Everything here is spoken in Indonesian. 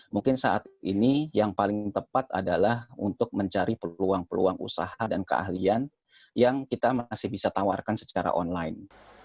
mungkin saat ini yang paling tepat adalah untuk mencari peluang peluang usaha dan keahlian yang kita masih bisa tawarkan secara online